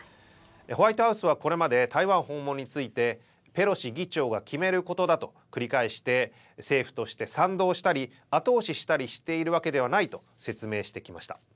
ホワイトハウスはこれまで台湾訪問についてペロシ議長が決めることだと繰り返して、政府として賛同したり、後押ししたりしているわけではないと説明してきました。